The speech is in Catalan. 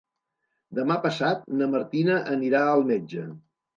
Demà passat na Martina anirà al metge.